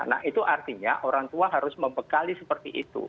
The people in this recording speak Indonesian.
nah itu artinya orang tua harus membekali seperti itu